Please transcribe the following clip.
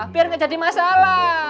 biar nggak jadi masalah